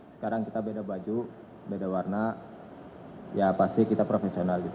sekarang kita beda baju beda warna ya pasti kita profesional gitu